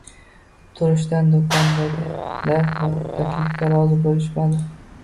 Turishidan, doʻkondagilar bu taklifga rozi boʻlishmadi